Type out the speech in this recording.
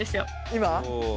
今。